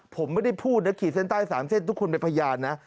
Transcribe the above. ผมไม่ได้พูดนะขีดเส้นใต้๓เส้นทุกคนเป็นพยานนะ